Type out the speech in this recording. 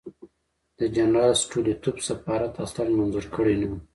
د جنرال سټولیتوف سفارت اصلاً منظور کړی نه وو.